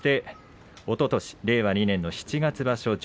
おととし令和２年の七月場所